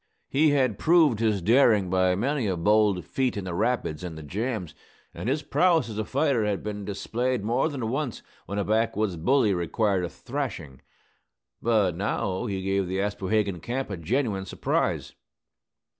He had proved his daring by many a bold feat in the rapids and the jams; and his prowess as a fighter had been displayed more than once when a backwoods bully required a thrashing. But now he gave the Aspohegan camp a genuine surprise.